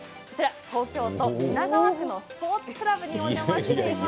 東京都品川区のスポーツクラブにお邪魔しています。